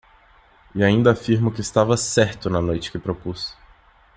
E ainda afirmo que estava certo na noite que propus.